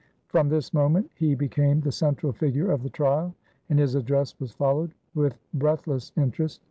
From this moment he became the central figure of the trial and his address was followed with breathless interest.